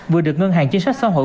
vừa được ngân hàng chính sách xã hội